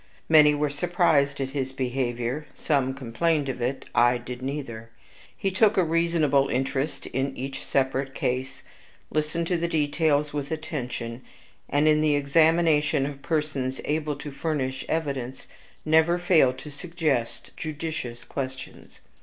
Many were surprised at his behavior; some complained of it; I did neither. He took a reasonable interest in each separate case, listened to the details with attention, and, in the examination of persons able to furnish evidence, never failed to suggest judicious questions.